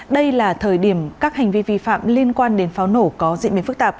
đây là thời điểm các hành vi vi phạm liên quan đến pháo nổ có diễn biến phức tạp